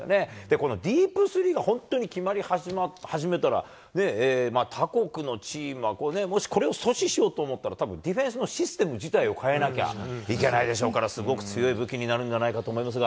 このディープスリーが本当に決まり始めたら他国のチームはもしこれを阻止しようと思ったらディフェンスのシステム自体を変えなきゃいけないでしょうからすごく強い武器になるんじゃないかと思いますが